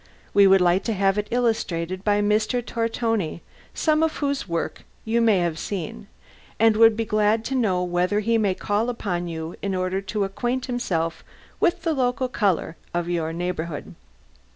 We would like to have it illustrated by Mr. Tortoni, some of whose work you may have seen, and would be glad to know whether he may call upon you in order to acquaint himself with the local colour of your neighbourhood.